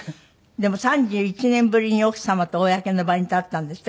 でも３１年ぶりに奥様と公の場に立ったんですって？